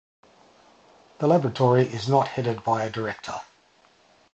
The laboratory is not headed by a director.